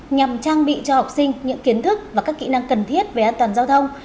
nhằm trang bị cho học sinh những kiến thức và các kỹ năng cần thiết về an toàn giao thông